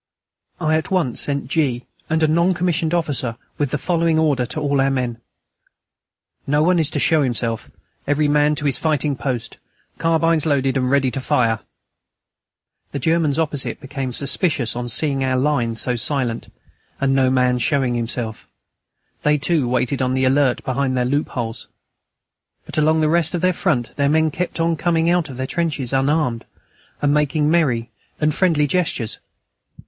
I at once sent G. and a non commissioned officer with the following order to all our men: "No one is to show himself.... Every man to his fighting post!... Carbines loaded and ready to fire!" The Germans opposite became suspicious on seeing our line so silent, and no man showing himself; they, too, waited on the alert behind their loopholes. But along the rest of their front their men kept on coming out from their trenches unarmed, and making merry and friendly gestures.